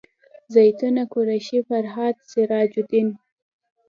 زیتونه قریشي فرهاد سراج الدین